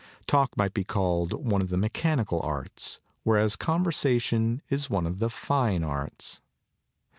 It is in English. Talk might be called one of the mechanical arts, whereas conversation is one of the fine arts.